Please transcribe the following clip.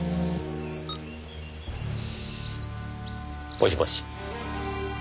もしもし。